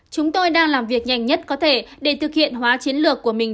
chúng tôi đang làm việc nhanh nhất có thể để thực hiện hóa chiến lược của mình